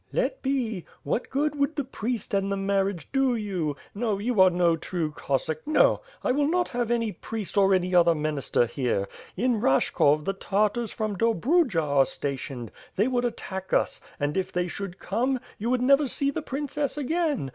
"Let be. What good would the Priest and the marriage do you? No, you are no true Cossack. No! I will not have any 446 WITH FIRE AND SWORD. priest or any other minister here. In Rashkov the Tartars from Dobrudja are stationed. They would attack us and, if they should come, you would never see the princess again.